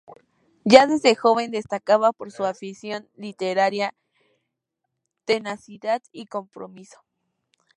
Ya desde joven destaca por su afición literaria, tenacidad y compromiso.